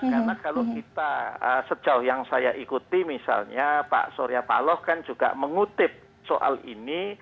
karena kalau kita sejauh yang saya ikuti misalnya pak surya paloh kan juga mengutip soal ini